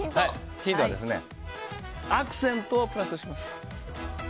ヒントはアクセントをプラスします。